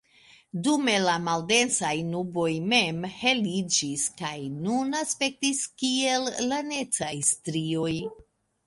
Dume la maldensaj nuboj mem heliĝis kaj nun aspektis kiel lanecaj strioj.